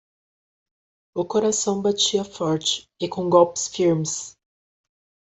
O coração batia forte e com golpes firmes.